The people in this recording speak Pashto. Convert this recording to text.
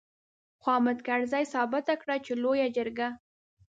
خو حامد کرزي ثابته کړه چې لويه جرګه.